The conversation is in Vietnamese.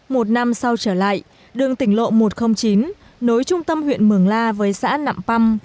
một năm sau trở lại đường tỉnh lộ một trăm linh chín nối trung tâm huyện mường la với xã nạm păm